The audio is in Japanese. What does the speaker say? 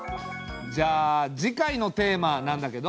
じゃあ次回のテーマなんだけど。